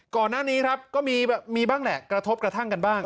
ก่อนหน้านี้ครับก็มีบ้างแหละกระทบกระทั่งกันบ้าง